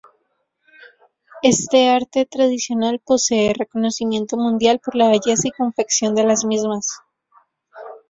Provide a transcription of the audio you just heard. Este arte tradicional posee reconocimiento mundial por la belleza y confección de las mismas.